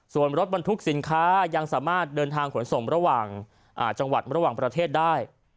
ส่วนรถบรรทุกสินค้ายังสามารถเดินทางขนส่งระหว่างจังหวัดระหว่างประเทศได้